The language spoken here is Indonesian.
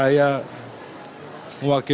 saya juga ingin mengucapkan terima kasih